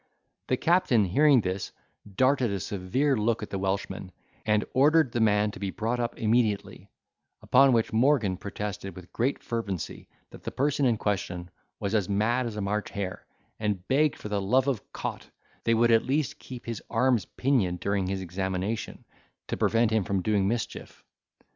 The captain hearing this, darted a severe look at the Welshman, and ordered the man to be brought up immediately; upon which, Morgan protested with great fervency, that the person in question was as mad as a March hare; and begged for the love of Cot, they would at least keep his arms pinioned during his examination, to prevent him from doing mischief.